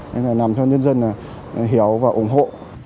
nên là làm cho nhân dân hiểu và ủng hộ